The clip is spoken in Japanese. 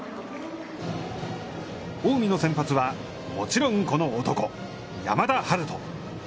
近江の先発は、もちろんこの男、山田陽翔。